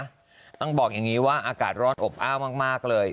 ต้องบอกว่าอากาศร้อนอบอ้าวมากเลย